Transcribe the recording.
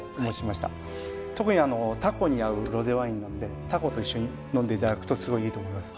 特にあのタコに合うロゼワインなんでタコと一緒に飲んでいただくとすごいいいと思います。